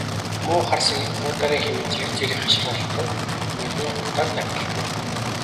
Муу хар сэгийг буудаарай хэмээн зэрэг зэрэг хашхиралдан морины хурдаар давхилдана.